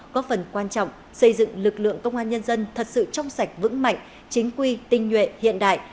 có phần quan trọng xây dựng lực lượng công an nhân dân thật sự trong sạch vững mạnh chính quy tinh nhuệ hiện đại